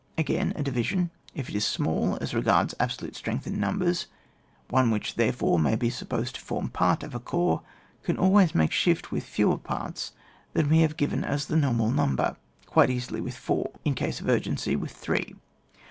Again, a division if it is small as re gards absolute strength in numbers, one which therefore may be supposed to form part of a corps, can always make shift with fewer parts than we have given as the normal number ; quite easily with four, in case of urgency, with three.